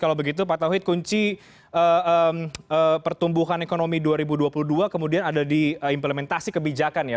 kalau begitu pak tauhid kunci pertumbuhan ekonomi dua ribu dua puluh dua kemudian ada di implementasi kebijakan ya